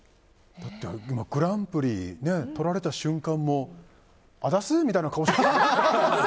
グランプリとられた瞬間もあたす？みたいな顔して。